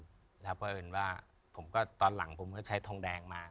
เพราะเอิญว่าผมก็ตอนหลังใช้ทองแดงมา